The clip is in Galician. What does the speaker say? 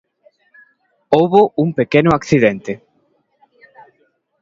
Houbo un pequeno accidente.